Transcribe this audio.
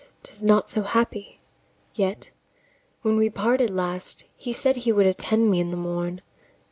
'Tis not so happy: yet, when we parted last, He said he would attend me in the morn.